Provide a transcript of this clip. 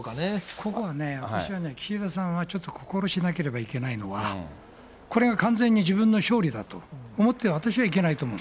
ここはね、私はね、岸田さんはちょっと心しなければいけないのは、これが完全に自分の勝利だと思っては、私はいけないと思う。